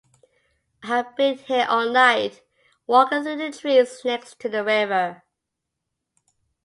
I have been here all night, walking through the trees next to the river.